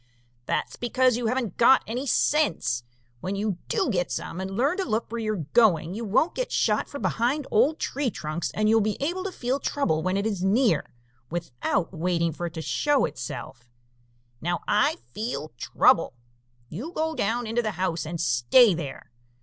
"That's because you haven't got any sense. When you do get some and learn to look where you are going, you won't get shot from behind old tree trunks and you will be able to feel trouble when it is near, without waiting for it to show itself. Now I feel trouble. You go down into the house and stay there!"